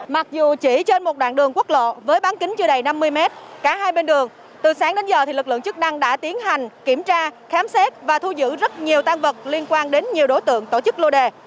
mặc dù chỉ trên một đoạn đường quốc lộ với bán kính chưa đầy năm mươi m cả hai bên đường từ sáng đến giờ thì lực lượng chức năng đã tiến hành kiểm tra khám xét và thu giữ rất nhiều tan vật liên quan đến nhiều đối tượng tổ chức lô đè